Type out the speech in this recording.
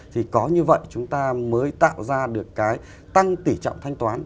thì có như vậy chúng ta mới tạo ra được cái tăng tỉ trọng thanh toán